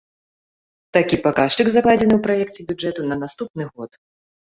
Такі паказчык закладзены ў праекце бюджэту на наступны год.